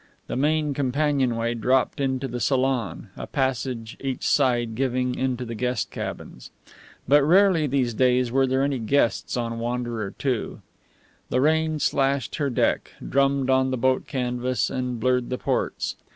The main companionway dropped into the salon, a passage each side giving into the guest cabins. But rarely these days were there any guests on Wanderer II. The rain slashed her deck, drummed on the boat canvas, and blurred the ports.